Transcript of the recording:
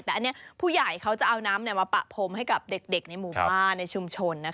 แต่พุยายเขาจะเอาน้ำมาปะพร้อมให้กับเด็กในหมู่บ้านในชุมชน